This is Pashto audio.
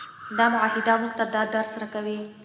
دا معاهده موږ ته دا درس راکوي.